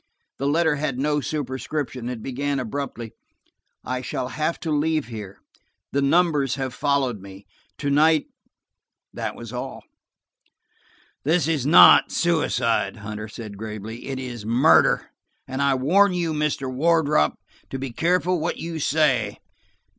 The letter had no superscription; it began abruptly: "I shall have to leave here. The numbers have followed me. To night–" That was all. "This is not suicide," Hunter said gravely. "It is murder, and I warn you, Mr. Wardrop, to be careful what you say.